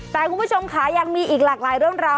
แต่คุณผู้ชมค่ะยังมีอีกหลากหลายเรื่องราว